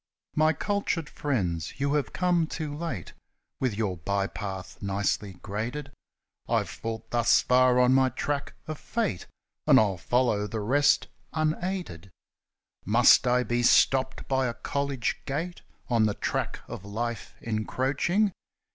My cultured friends ! you have come too late With your bypath nicely graded ; I've fought thus far on my track of Fate, And I'll follow the rest unaided. Must I be stopped by a college gate On the track of Life encroaching